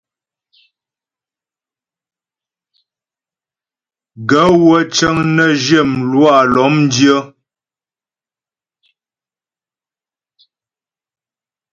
Gaə̂ wə́ cə́ŋ nə́ zhyə mlwâ lɔ́mdyə́.